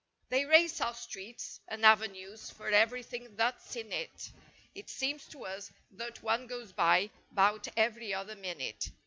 They race our streets and avenues for everything that's in it— It seems to us that one goes by 'bout every other minute.